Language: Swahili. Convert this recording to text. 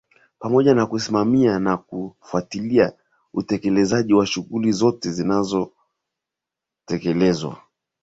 pamoja na kusimamia na kufuatilia utekelezaji wa shughuli zote zinazotekelezwa